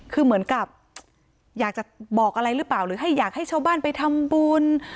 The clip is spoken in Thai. คือเหมือนกับอยากจะบอกอะไรหรือเปล่าหรือให้อยากให้ชาวบ้านไปทำบุญ